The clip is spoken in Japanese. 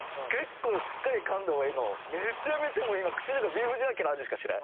めちゃめちゃもう今口の中ビーフジャーキーの味しかしない。